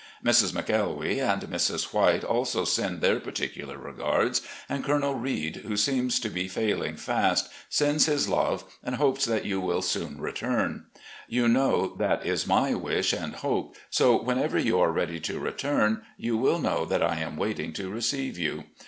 Mrs. McElwee and Mrs. White also send their particular regards, and Colonel Reid, who seems to be failing fast, sends his love, and hopes that you will soon rettum. You know that is my wish and hope, so whenever you are ready to return you will know that I am waiting to receive • you.